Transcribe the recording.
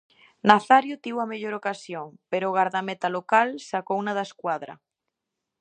Nazario tivo a mellor ocasión, pero o gardameta local sacouna da escuadra.